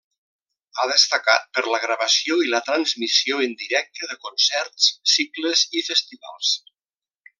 Ha destacat per la gravació i la transmissió en directe de concerts, cicles i festivals.